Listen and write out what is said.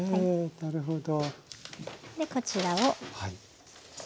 なるほど。